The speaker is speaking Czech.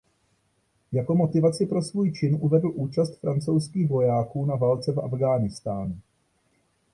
Jako motivaci pro svůj čin uvedl účast francouzských vojáků na válce v Afghánistánu.